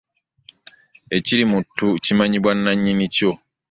Ekiri mu ttu kimanyibwa nna nyini kyo .